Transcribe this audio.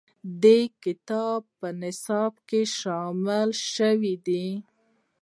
دا کتاب په نصاب کې شامل شوی دی.